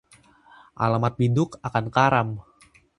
Alamat biduk akan karam